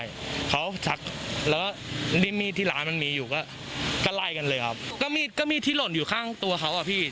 ใช่เขาชักแล้วก็ริมมีดที่ร้านมันมีอยู่ก็ก็ไล่กันเลยครับก็มีก็มีที่หล่นอยู่ข้างตัวเขาอ่ะพี่